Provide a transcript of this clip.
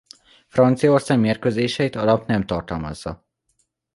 Franciaország mérkőzéseit a lap nem tartalmazza.